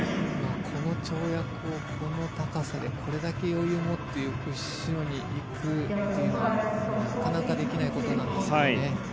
この跳躍をこの高さでこれだけ余裕を持ってやるというのはなかなかできないことなんですよね。